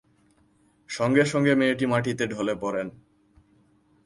সঙ্গে সঙ্গে মেয়েটি মাটিতে ঢলে পড়েন।